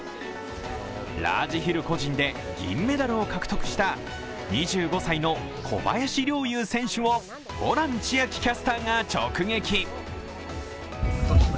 ラージヒル個人で銀メダルを獲得した２５歳の小林陵侑選手をホラン千秋キャスターが直撃。